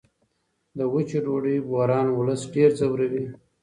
د وچې ډوډۍ بحران ولس ډېر ځوروي.